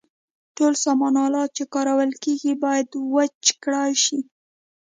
ټول سامان آلات چې کارول کیږي باید وچ کړای شي.